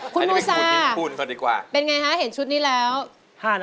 เห็นว่าสารเป็นยังไงเห็นชุดนี้แล้วคุณมูซ่าผมคิดคุณคุณสวัสดีค่ะ